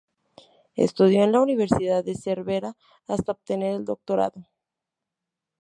Estudió en la Universidad de Cervera hasta obtener el doctorado.